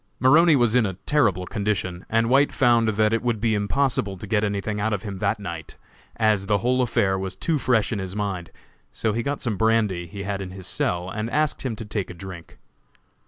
Maroney was in a terrible condition, and White found that it would be impossible to get anything out of him that night, as the whole affair was too fresh in his mind; so he got some brandy he had in his cell, and asked him to take a drink.